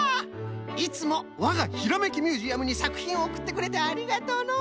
いつもわが「ひらめきミュージアム」にさくひんをおくってくれてありがとうの！